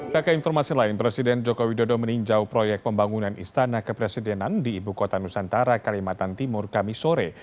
dari informasi lain presiden jokowi dodo meninjau proyek pembangunan istana kepresidenan di ibu kota nusantara kalimantan timur kami sore